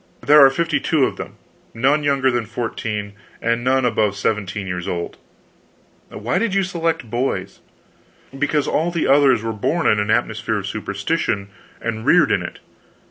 There are fifty two of them; none younger than fourteen, and none above seventeen years old." "Why did you select boys?" "Because all the others were born in an atmosphere of superstition and reared in it.